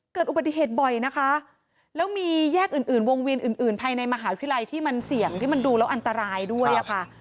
เกิดอุบัติเหตุบ่อยนะคะแล้วมีแยกอื่นอื่นวงเวียนอื่นอื่นภายในมหาวิทยาลัยที่มันเสี่ยงที่มันดูแล้วอันตรายด้วยอะค่ะ